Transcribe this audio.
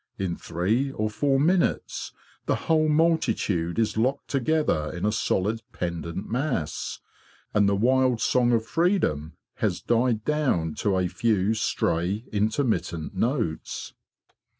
In three or four minutes the whole multitude is locked together in a solid pendent mass, and the wild song of freedom has died down to a few stray intermittent notes.